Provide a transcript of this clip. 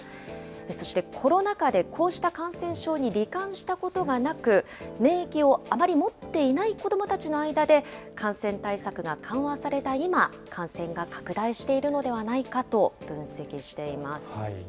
そしてコロナ禍でこうした感染症にり患したことがなく、免疫をあまり持っていない子どもたちの間で、感染対策が緩和された今、感染が拡大しているのではないかと分析しています。